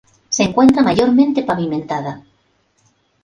Se encuentra mayormente pavimentada.